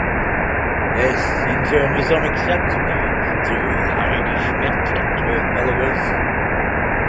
This in turn was unacceptable to Heide Schmidt and her followers.